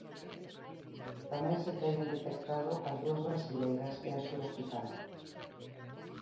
Tamén se teñen detectado as dúas brasileiras e a surafricana.